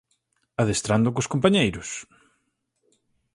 Adestrando cos compañeiros.